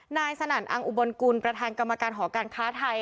สนั่นอังอุบลกุลประธานกรรมการหอการค้าไทย